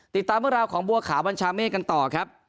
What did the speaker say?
ติดตามเรื่องราวของบัวขาวบัญชาเมฆกันต่อครับ